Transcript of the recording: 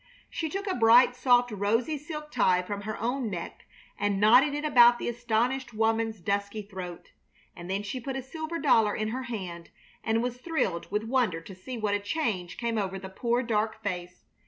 She took a bright, soft, rosy silk tie from her own neck and knotted it about the astonished woman's dusky throat, and then she put a silver dollar in her hand, and was thrilled with wonder to see what a change came over the poor, dark face.